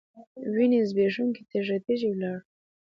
وینې ځبېښونکي تږي، تږي ولاړ